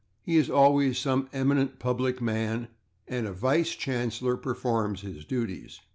He is always some eminent public man, and a /vice chancellor/ performs his duties.